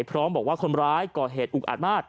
พร้อมบอกว่าคนร้ายก่อเหตุอุกอาจมาก